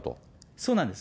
そうなんです。